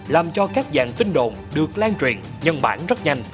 làm cho các dạng tin đồn được lan truyền nhân bản rất nhanh